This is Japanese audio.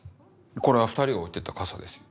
これは２人が置いて行った傘ですよ。